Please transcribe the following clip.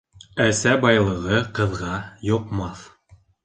Әсә байлығы ҡыҙға йоҡмаҫ.